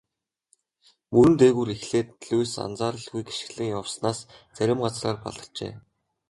Мөрөн дээгүүр эхлээд Луис анзааралгүй гишгэлэн явснаас зарим газраар баларчээ.